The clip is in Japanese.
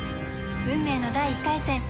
運命の第１回戦。